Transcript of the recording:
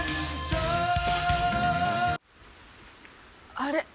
あれ？